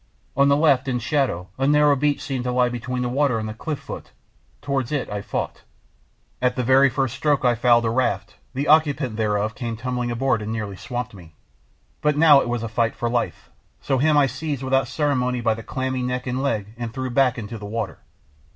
On the left, in shadow, a narrow beach seemed to lie between the water and the cliff foot; towards it I fought. At the very first stroke I fouled a raft; the occupant thereof came tumbling aboard and nearly swamped me. But now it was a fight for life, so him I seized without ceremony by clammy neck and leg and threw back into the water.